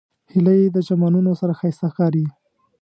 هیلۍ د چمنونو سره ښایسته ښکاري